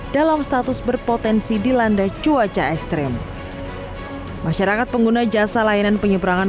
dalam status berpotensi dilanda cuaca ekstrim masyarakat pengguna jasa layanan penyeberangan